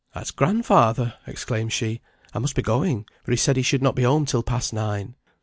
"That's grandfather!" exclaimed she. "I must be going, for he said he should not be at home till past nine."